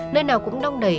nơi nào cũng đông đầy